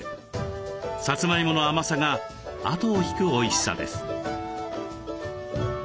さつまいもの甘さがあとを引くおいしさです。